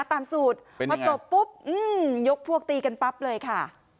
ตามสูตรพอจบปุ๊บยกพวกตีกันปั๊บเลยค่ะ